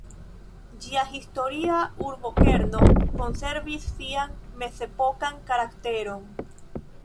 Ĝia historia urbokerno konservis sian mezepokan karakteron.